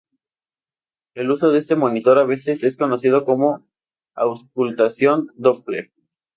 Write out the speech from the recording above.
El uso de este monitor a veces es conocido como auscultación Doppler.